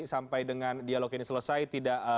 sampai dengan dialog ini selesai tidak